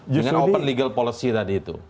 dengan open legal policy tadi itu